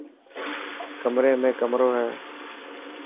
ڪمري ۾ ڪمرو هي.